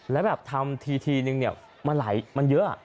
แล้วแบบทำทีนึงมันหลายมันเยอะ